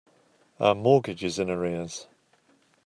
Our mortgage is in arrears.